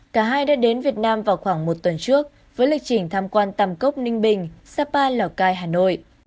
cả hai đã đến việt nam vào khoảng một tuần trước với lịch trình tham quan tàm cốc ninh bình sapa lào cai hà nội